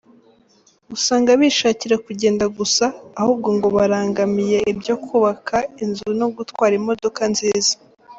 Usanga bishakira kugenda gusa ahubwo ngo barangamiye ibyo kubaka inzu no gutwara imodoka nziza.